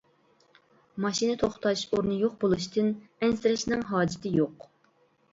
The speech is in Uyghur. ماشىنا توختاش ئورنى يوق بولۇشتىن ئەنسىرەشنىڭ ھاجىتى يوق.